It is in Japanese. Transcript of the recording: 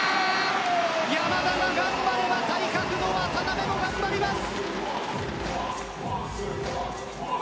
山田が頑張れば対角の渡邊も頑張ります。